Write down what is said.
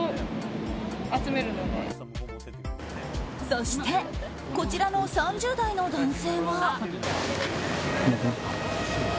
そして、こちらの３０代の男性は。